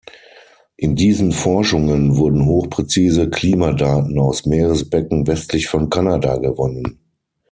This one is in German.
In diesen Forschungen wurden hochpräzise Klimadaten aus Meeresbecken westlich von Kanada gewonnen.